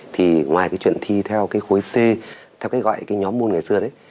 thì ngoài cái chuyện thi theo cái khối c theo cái gọi cái nhóm môn ngày xưa đấy